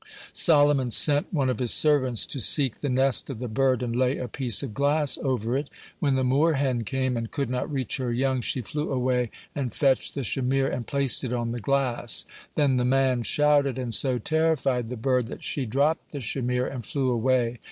Solomon sent one of his servants to seek the nest of the bird and lay a piece of glass over it. When the moor hen came and could not reach her young, she flew away and fetched the shamir and placed it on the glass. Then the man shouted, and so terrified the bird that she dropped the shamir and flew away.